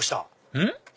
うん？